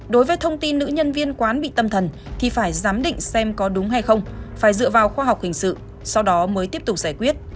đối với thông tin nữ nhân viên quán bị tâm thần thì phải giám định xem có đúng hay không phải dựa vào khoa học hình sự sau đó mới tiếp tục giải quyết